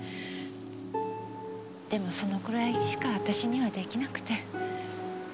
でもそのくらいしか私には出来なくて。